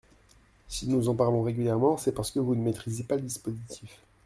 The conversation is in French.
Si nous en parlons régulièrement, c’est parce que vous ne maîtrisez pas le dispositif.